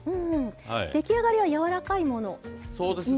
出来上がりはやわらかいものになるまで。